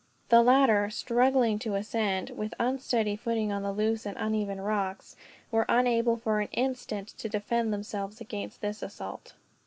The latter, struggling to ascend, with unsteady footing on the loose and uneven rocks, were unable for an instant to defend themselves against this assault.